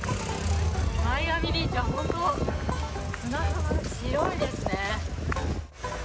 マイアミビーチは本当、砂浜が白いですね。